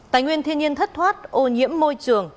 tài nguyên thiên nhiên thất thoát ô nhiễm môi trường